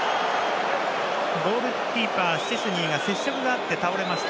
ゴールキーパーシュチェスニーが接触があって倒れました。